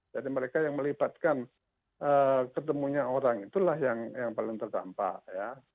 jadi mereka yang melibatkan ketemunya orang itulah yang paling terdampak ya